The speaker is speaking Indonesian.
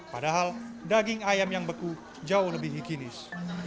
padahal daging ayam yang beku jauh lebih higienis